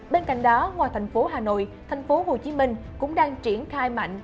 bên cạnh đó ngoài thành phố hà nội thành phố hồ chí minh cũng đang triển khai mạnh